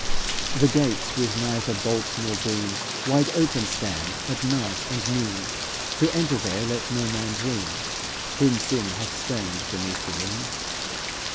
The gates with neither bolt nor beam, Wide open stand at night and noon; To enter there let no man dream Whom sin hath stained beneath the moon.